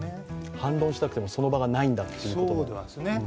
反論したくても、その場がないんだという。